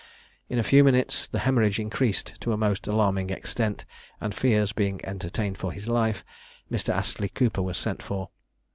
In a few minutes the hæmorrhage increased to a most alarming extent, and fears being entertained for his life, Mr. Astley Cooper was sent for.